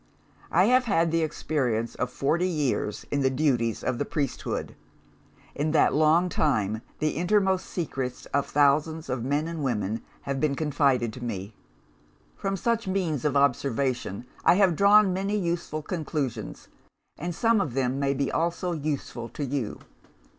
I have had the experience of forty years in the duties of the priesthood. In that long time, the innermost secrets of thousands of men and women have been confided to me. From such means of observation, I have drawn many useful conclusions; and some of them may be also useful to you.